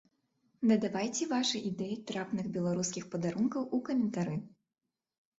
Дадавайце вашы ідэі трапных беларускіх падарункаў у каментары.